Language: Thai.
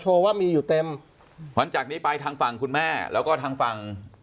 ว่ามีอยู่เต็มหลังจากนี้ไปทางฝั่งคุณแม่แล้วก็ทางฝั่ง